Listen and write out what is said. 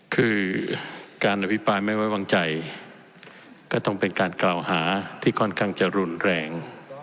คือการอภิปรายไม่ไว้วางใจก็ต้องเป็นการกล่าวหาที่ค่อนข้างจะรุนแรง